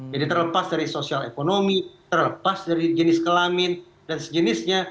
jadi terlepas dari sosial ekonomi terlepas dari jenis kelamin dan sejenis